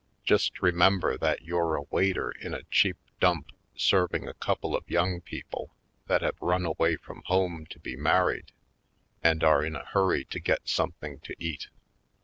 Just re member that you're a waiter in a cheap dump serving a couple of young people that have run away from home to be mar ried and are in a hurry to get something to eat.